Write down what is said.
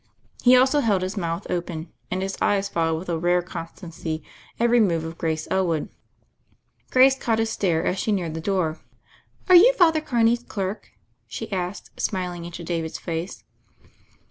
He also held his mouth open, and his eyes followed with a rare con stancy every move of Grace Elwood. Grace caught his stare as she neared the door. "Are you Father Carney's clerk?" she asked, smiling into David's face.